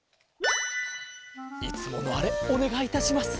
いつものあれおねがいいたします。